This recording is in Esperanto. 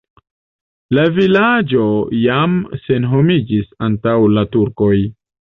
La vilaĝo jam senhomiĝis antaŭ la turkoj.